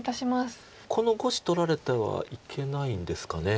この５子取られてはいけないんですかね。